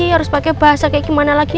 harus pakai bahasa kayak gimana lagi